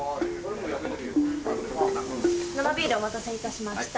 生ビールお待たせいたしました。